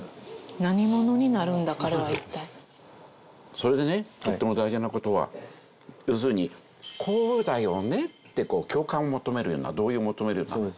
それでねとっても大事な事は要するに「こうだよね」って共感を求めるような同意を求めるような。